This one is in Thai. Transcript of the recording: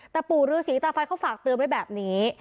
แต่ปู่รือศรีตฟันเขาฝากเตือนไว้แบบนี้